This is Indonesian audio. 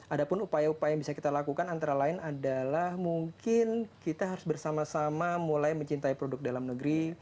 ada pun upaya upaya yang bisa kita lakukan antara lain adalah mungkin kita harus bersama sama mulai mencintai produk dalam negeri